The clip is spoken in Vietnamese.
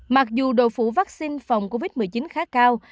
mặc dù độ phủ vaccine phòng covid một mươi chín khá cao